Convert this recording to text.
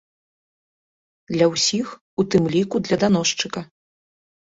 Для ўсіх, у тым ліку для даносчыка.